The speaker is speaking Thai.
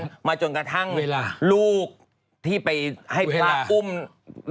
หรือเวลามาจนกระทั่งลูกที่ไปปะอุ่มน้องคนนี้